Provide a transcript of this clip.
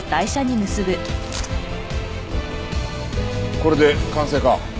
これで完成か？